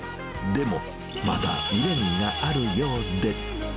でも、まだ未練があるようで。